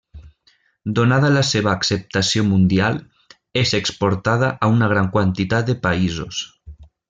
Donada la seva acceptació mundial, és exportada a una gran quantitat de països.